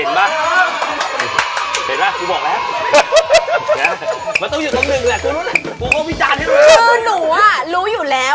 คือหนูอ่ะรู้อยู่แล้ว